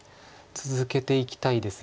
続けていきたいです。